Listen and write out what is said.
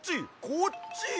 こっちよ！